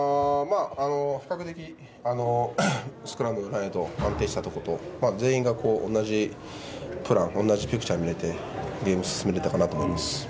比較的スクラム安定したとこと全員が同じプラン同じピクチャーに見れてゲーム進めれたかなと思います。